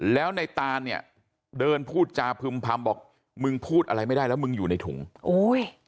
แล้วในตานเนี่ยเดินพูดจาพึ่มพำบอกมึงพูดอะไรไม่ได้แล้วมึงอยู่ในถุงโอ้ย